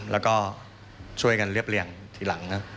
แล้วก็ช่วยกันเรียบเรียงทีหลังนะ